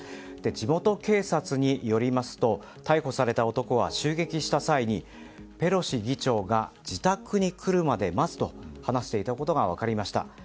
地元警察によりますと逮捕された男は襲撃した際にペロシ議長が自宅に来るまで待つと話していたことが分かりました。